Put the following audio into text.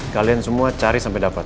kalian semua cari sampai dapat